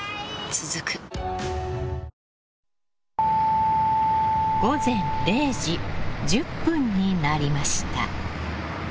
続く午前０時１０分になりました。